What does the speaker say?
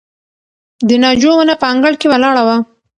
د ناجو ونه په انګړ کې ولاړه وه.